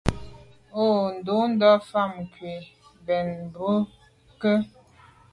O, ndù nda’ fotmbwe nke mbèn mbwe ké.